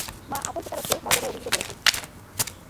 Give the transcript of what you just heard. মা আপন প্রচারককে মর্যাদায় অভিভূত করেছেন।